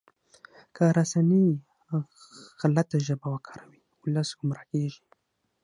که رسنۍ غلطه ژبه وکاروي ولس ګمراه کیږي.